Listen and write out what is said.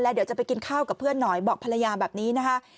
เดี๋ยวจะไปกินข้าวกับเพื่อนหน่อยบอกภรรยาแบบนี้นะคะ